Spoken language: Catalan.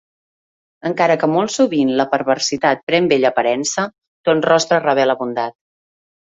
Encara que molt sovint la perversitat pren bella aparença, ton rostre revela bondat.